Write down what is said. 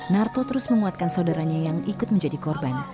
narto terus menguatkan saudaranya yang ikut menjadi korban